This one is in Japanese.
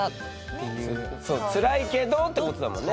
辛いけどってことだもんね。